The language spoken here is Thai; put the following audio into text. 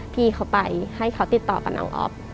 พี่เขาไปให้เขาติดต่อกับน้องอ๊อฟ